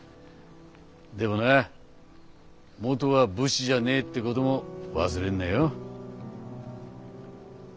でもなもとは武士じゃねぇってことも忘れんなよ。